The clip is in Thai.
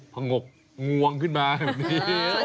ผงกงวงขึ้นมาเหมือนเนี้ย